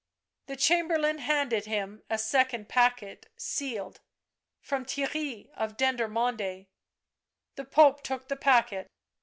The chamberlain handed him a second packet, sealed. " From Theirry of Dendermonde." The Pope took the packet.